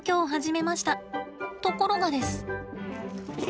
ところがです。